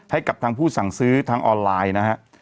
ให้กับทางผู้สั่งซื้อทางออนไลน์นะฮะ